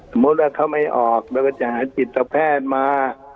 สมมุติว่าเขาไม่ออกแล้วก็จะหาจิตแพทย์มา